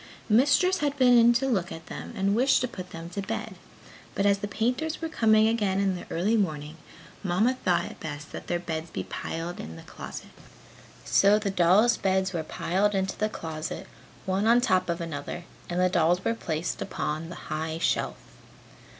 Mistress had been in to look at them and wished to put them to bed, but as the painters were coming again in the early morning, Mamma thought it best that their beds be piled in the closet. So the dolls' beds were piled into the closet, one on top of another and the dolls were placed upon the high shelf.